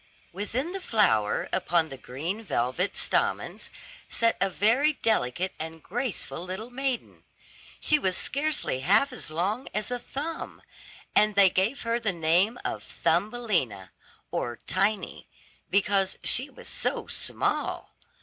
Within the flower, upon the green velvet stamens, sat a very delicate and graceful little maiden. She was scarcely half as long as a thumb, and they gave her the name of "Thumbelina," or Tiny, because she was so small.